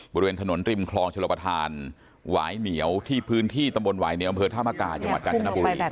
บริเวณถนนริมคลองชลประธานหวายเหนียวที่พื้นที่ตำบลหวายเหนียวอำเภอธามกาจังหวัดกาญจนบุรี